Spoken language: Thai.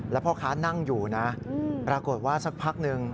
แล้วพ่อค้านั่งอยู่นะปรากฏว่าสักพักหนึ่ง